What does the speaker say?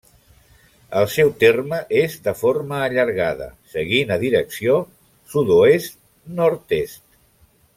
El seu terme és de forma allargada, seguint a direcció sud-oest nord-est.